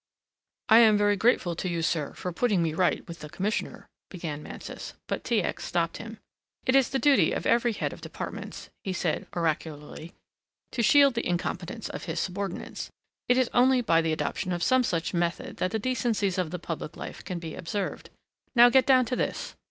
"I am very grateful to you, sir, for putting me right with Commissioner," began Mansus, but T. X. stopped him. "It is the duty of every head of departments," he said oracularly, "to shield the incompetence of his subordinates. It is only by the adoption of some such method that the decencies of the public life can be observed. Now get down to this."